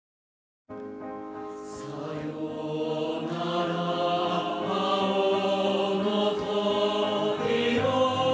「さようなら青の鳥よ」